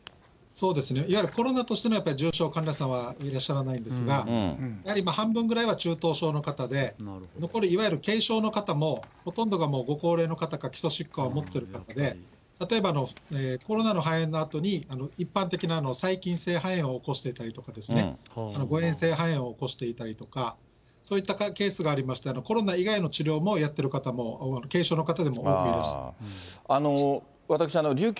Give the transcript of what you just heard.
そうですね、いわゆるコロナとしての重症患者さんはいらっしゃらないんですが、やはり半分ぐらいは中等症の方で、残り、いわゆる軽症の方も、ほとんどがもう、ご高齢の方か、基礎疾患を持ってる方で、例えばコロナの肺炎のあとに一般的な細菌性肺炎を起こしてたりとか、誤嚥性肺炎を起こしていたりとか、そういったケースがありまして、コロナ以外の治療もやってる方も、軽症の方でも多くいらっしゃる。